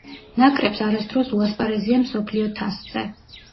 ნაკრებს არასდროს უასპარეზია მსოფლიო თასზე.